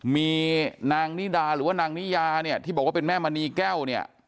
มีนางนิดาหรือนางนิยาที่บอกว่าเป็นแม่มณีแก้ว